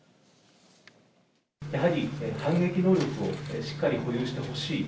やはり、反撃能力をしっかり保有してほしい。